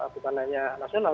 bukan hanya nasional